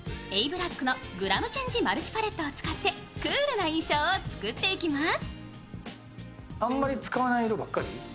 Ａ．ＢＬＡＣＫのグラムチェンジマルチパレットを使ってクールな印象を作っていきます。